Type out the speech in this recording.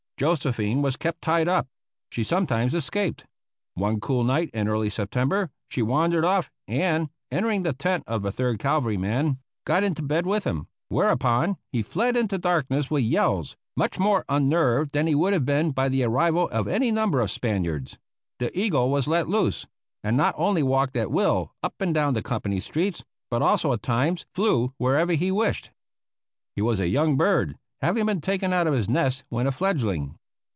Josephine was kept tied up. She sometimes escaped. One cool night in early September she wandered off and, entering the tent of a Third Cavalry man, got into bed with him; whereupon he fled into the darkness with yells, much more unnerved than he would have been by the arrival of any number of Spaniards. The eagle was let loose and not only walked at will up and down the company streets, but also at times flew wherever he wished. He was a young bird, having been taken out of his nest when a fledgling.